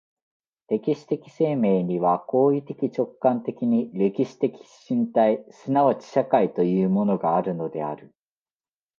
歴史的生命には行為的直観的に歴史的身体即ち社会というものがあるのである。